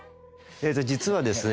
実はですね